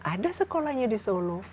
ada sekolahnya di solo